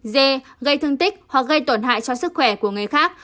d gây thương tích hoặc gây tổn hại cho sức khỏe của người khác